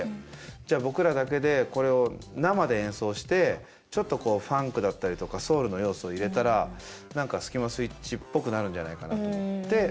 じゃあ僕らだけでこれを生で演奏してちょっとこうファンクだったりとかソウルの要素を入れたら何かスキマスイッチっぽくなるんじゃないかなと思って。